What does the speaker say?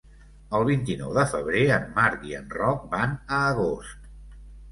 El vint-i-nou de febrer en Marc i en Roc van a Agost.